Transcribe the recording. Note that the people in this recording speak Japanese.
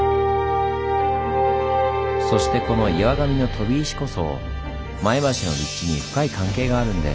そしてこの岩神の飛石こそ前橋の立地に深い関係があるんです。